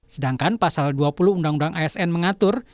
sedangkan pasal dua puluh undang undang asn mengatur